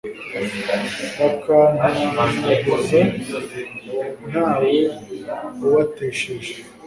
bakantanyaguza, nta we ubatesheje